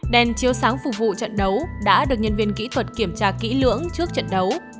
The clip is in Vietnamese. đèn chiếu sáng phục vụ trận đấu đã được nhân viên kỹ thuật kiểm tra kỹ lưỡng trước trận đấu